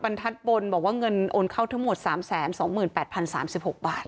บรรทัศน์บนบอกว่าเงินโอนเข้าทั้งหมด๓๒๘๐๓๖บาท